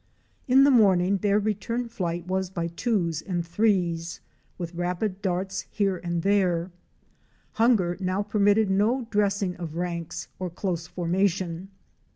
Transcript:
In the morning their return flight was by twos and threes, with rapid darts here and there. Hunger now permitted no dressing of ranks or close formation.